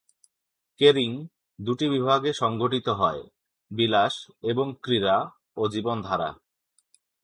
Caring দুটি বিভাগে সংগঠিত হয়: "বিলাস" এবং "ক্রীড়া ও জীবনধারা"।